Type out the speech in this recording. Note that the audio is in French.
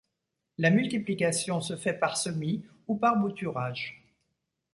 La multiplication se fait par semis ou par bouturage.